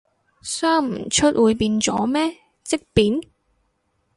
生唔出會變咗咩，積便？